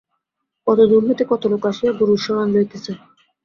কত দূর হইতে কত লোক আসিয়া গুরুর শরণ লইতেছে।